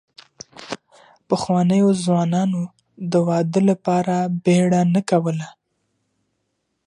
پخوانيو ځوانانو د واده لپاره بيړه نه کوله.